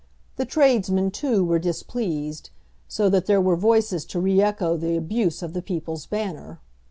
The tradesmen too were displeased, so that there were voices to re echo the abuse of the "People's Banner."